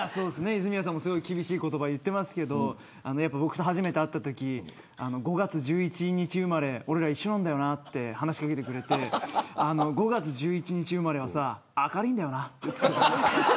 泉谷さんも厳しい言葉を言ってますけど僕と初めて会ったとき５月１１日生まれ俺ら一緒なんだよなって話し掛けてくれて５月１１日生まれはさ明るいんだよなって。